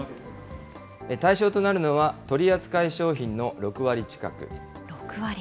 対象となるのは、取り扱い商品の６割近く。